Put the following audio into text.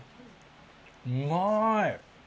うまい！